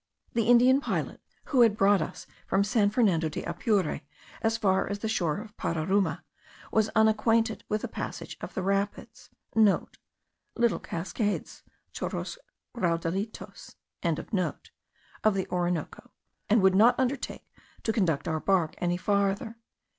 The Indian pilot, who had brought us from San Fernando de Apure as far as the shore of Pararuma, was unacquainted with the passage of the rapids* (* Little cascades, chorros raudalitos.) of the Orinoco, and would not undertake to conduct our bark any farther.